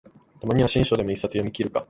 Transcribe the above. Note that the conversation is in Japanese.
たまには新書でも一冊読みきるか